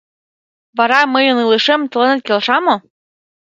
— Вара мыйын илышем тыланет келша мо?